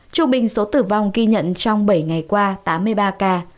trung bình số tử vong ghi nhận trong bảy ngày qua tám mươi ba ca